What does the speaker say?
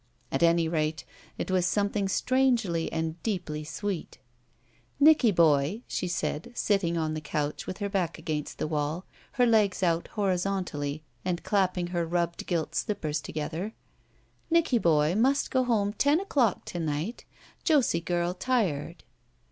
At any rate, it was something strangely and deeply sweet. Nicky boy," she said, sitting on the couch with her back against the wall, her l^s out horizontally and clapping her rubbed gilt slippers together —Nicky boy must go home ten o'clock to night. Josie giri tired."